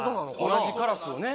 同じカラスをね